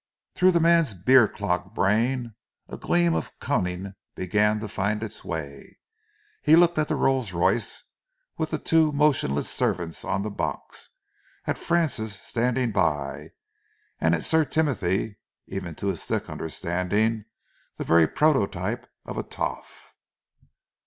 Through the man's beer clogged brain a gleam of cunning began to find its way. He looked at the Rolls Royce, with the two motionless servants on the box, at Francis standing by, at Sir Timothy, even to his thick understanding the very prototype of a "toff."